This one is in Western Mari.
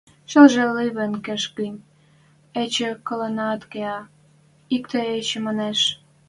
– Шелжӹ ливен кеш гӹнь, эче коленӓт кеӓ, – иктӹ эче манеш.